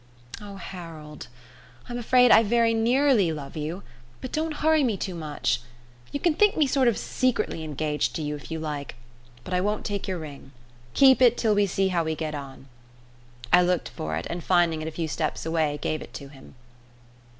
"Oh, Harold, I'm afraid I very nearly love you, but don't hurry me too much! You can think me sort of secretly engaged to you if you like, but I won't take your ring. Keep it till we see how we get on." I looked for it, and finding it a few steps away, gave it to him.